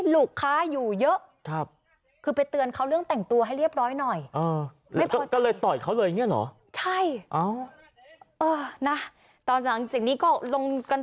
ลูกค้าอยู่เยอะคือไปเตือนเขาเรื่องแต่งตัวให้เรียบร้อยหน่อยไม่พอใจก็เลยต่อยเขาเลยอย่างนี้เหรอ